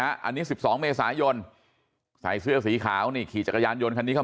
อันนี้๑๒เมษายนใส่เสื้อสีขาวนี่ขี่จักรยานยนต์คันนี้เขา